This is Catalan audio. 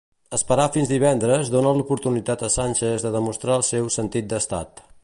Esperar fins divendres dona l'oportunitat a Sánchez de demostrar el seu “sentit d'Estat”.